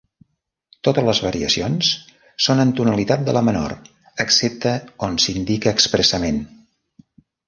Totes les variacions són en tonalitat de la menor excepte on s'indica expressament.